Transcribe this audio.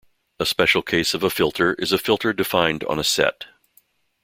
A special case of a filter is a filter defined on a set.